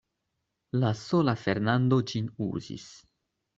La sola Fernando ĝin uzis.